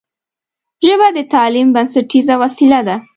ژبه د تعلیم بنسټیزه وسیله ده